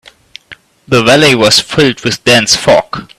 The valley was filled with dense fog.